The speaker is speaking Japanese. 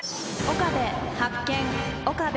岡部発見。